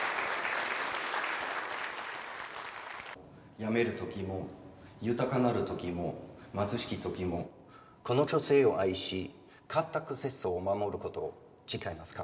病めるときも豊かなるときも貧しきときもこの女性を愛し固く節操を守ることを誓いますか？